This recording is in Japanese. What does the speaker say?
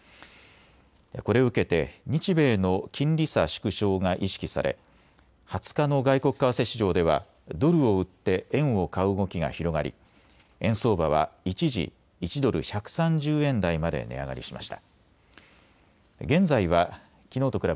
これを受けて日米の金利差縮小が意識され２０日の外国為替市場ではドルを売って円を買う動きが広がり円相場は一時、１ドル１３０円台まで値上がりしました。